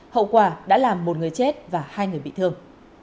hậu quả đã làm một người chết và hai người bị thương